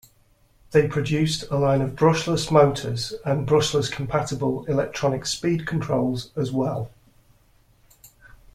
They produced a line of brushless motors and brushless-compatible electronic speed controls as well.